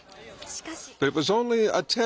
しかし。